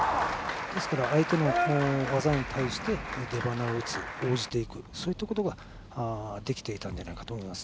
ですから相手の技に対して出ばなを打つ、応じていくそういうところができていたと思います。